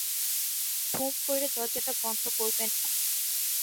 দুম করে দরজাটা বন্ধ করবেন না।